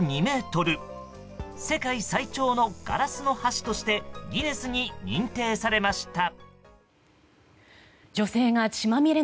世界最長のガラスの橋としてギネスに認定されました。